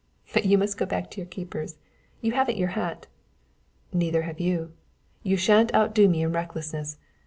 But you must go back to your keepers. You haven't your hat " "Neither have you; you shan't outdo me in recklessness.